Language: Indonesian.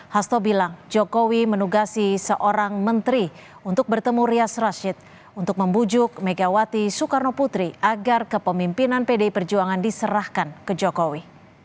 hasto bilang jokowi menugasi seorang menteri untuk bertemu rias rashid untuk membujuk megawati soekarno putri agar kepemimpinan pdi perjuangan diserahkan ke jokowi